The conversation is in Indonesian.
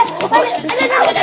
aduh aduh aduh